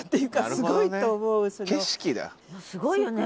すごいよね。